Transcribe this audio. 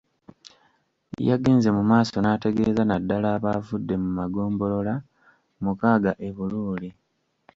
Yagenze mu maaso n’ategeeza naddala abaavudde mu magombolola mukaaga e Buluuli.